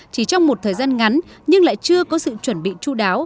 chỉ trong một thời gian ngắn nhưng lại chưa có sự chuẩn bị chú đáo